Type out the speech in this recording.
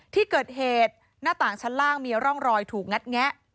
ที่เกิดเหตุหน้าต่างชั้นล่างมีร่องรอยถูกงัดแงะ